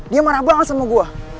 dia marah banget sama gue